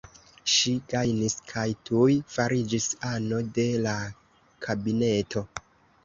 Ŝi gajnis kaj tuj fariĝis ano de la kabineto.